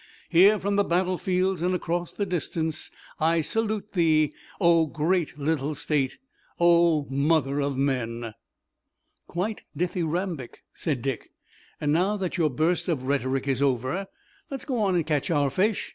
Here, from the battle fields and across the distance I salute thee, O great little state! O mother of men!" "Quite dithyrambic," said Dick, "and now that your burst of rhetoric is over let's go on and catch our fish.